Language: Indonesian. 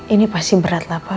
ini pasti berat lah pak